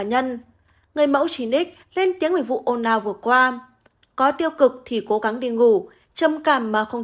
nhân người mẫu chỉnic lên tiếng về vụ ồn ào vừa qua có tiêu cực thì cố gắng đi ngủ trầm cảm mà không